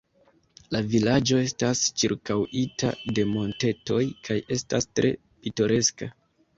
La vilaĝo estas ĉirkaŭita de montetoj kaj estas tre pitoreska.